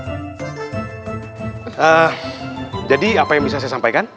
hmm jadi apa yang bisa saya sampaikan